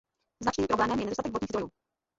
Značným problémem je nedostatek vodních zdrojů.